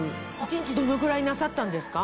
一日どのぐらいなさったんですか？